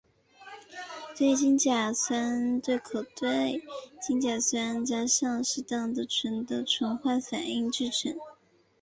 对羟基苯甲酸酯可由对羟基苯甲酸加上适当的醇的酯化反应制成。